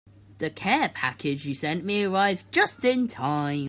The care package you sent me arrived just in time.